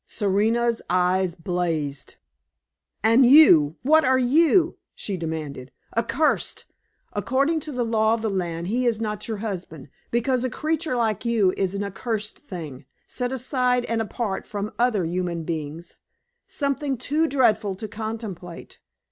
Serena's eyes blazed. "And you what are you?" she demanded. "Accursed! According to the law of the land he is not your husband, because a creature like you is an accursed thing, set aside and apart from other human beings, something too dreadful to contemplate.